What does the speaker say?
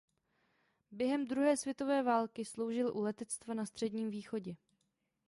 Během druhé světové války sloužil u letectva na Středním východě.